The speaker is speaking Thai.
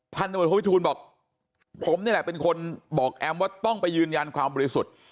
พันธบทวิทูลบอกผมนี่แหละเป็นคนบอกแอมว่าต้องไปยืนยันความบริสุทธิ์